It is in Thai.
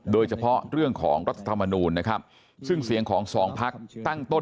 โดยเฉพาะเรื่องของรัฐธรรมนูลนะครับซึ่งเสียงของสองพักตั้งต้น